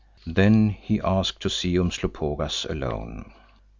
Then he asked to see Umslopogaas alone.